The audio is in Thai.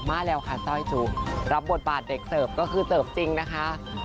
มาแล้วค่ะสร้อยจุรับบทบาทเด็กเสิร์ฟก็คือเสิร์ฟจริงนะคะ